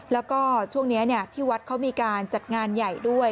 แล้วก็ช่วงนี้ที่วัดเขามีการจัดงานใหญ่ด้วย